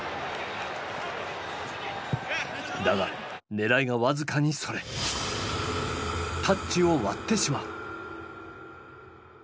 だが狙いが僅かにそれタッチを割ってしまう。